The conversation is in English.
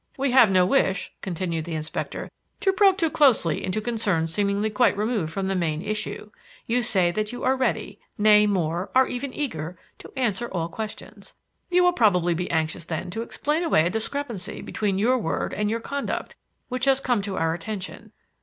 "We have no wish," continued the Inspector, "to probe too closely into concerns seemingly quite removed from the main issue. You say that you are ready, nay more, are even eager to answer all questions. You will probably be anxious then to explain away a discrepancy between your word and your conduct, which has come to our attention.